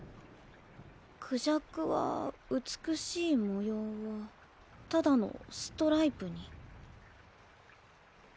クジャクは美しい模様をただのストライプに？